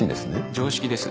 常識です。